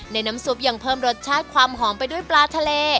น้ำซุปยังเพิ่มรสชาติความหอมไปด้วยปลาทะเล